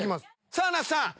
さぁ那須さん。